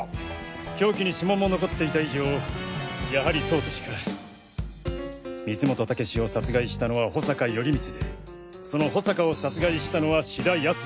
凶器に指紋も残っていた以上やはりそうとしか光本猛志を殺害したのは保坂頼光でその保坂を殺害したのは志田康保。